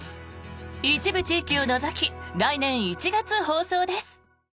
一部地域を除き来年１月放送です。